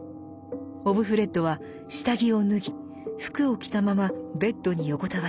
オブフレッドは下着を脱ぎ服を着たままベッドに横たわります。